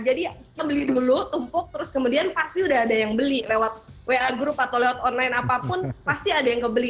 jadi kita beli dulu tumpuk terus kemudian pasti udah ada yang beli lewat wa group atau lewat online apapun pasti ada yang kebeli